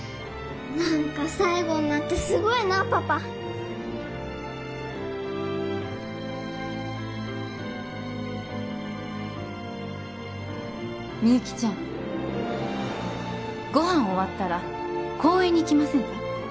何か最後になってすごいなパパみゆきちゃんご飯終わったら公園に行きませんか？